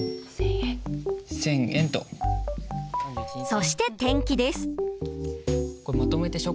そして転記です。